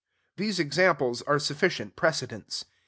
These examples are sufficient precedents.